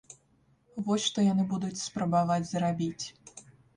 Вось што яны будуць спрабаваць зрабіць.